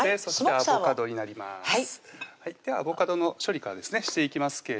そしてアボカドになります